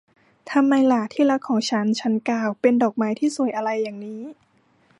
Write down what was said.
ทำไมล่ะ ที่รักของฉัน ฉันกล่าว เป็นดอกไม้ที่สวยอะไรอย่างนี้